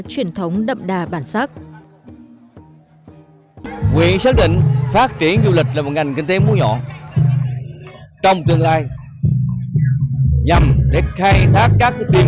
truyền thống đậm đà bản sắc